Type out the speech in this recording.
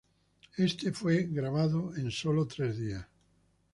Éste fue grabado en sólo tres días.